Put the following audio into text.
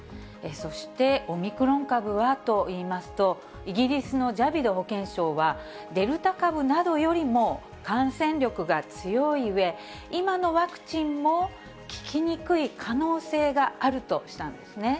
そしてオミクロン株はといいますと、イギリスのジャビド保健相は、デルタ株などよりも感染力が強いうえ、今のワクチンも効きにくい可能性があるとしたんですね。